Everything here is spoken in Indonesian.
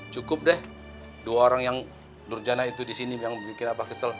cukup deh dua orang yang nurjana itu di sini yang bikin abah kesel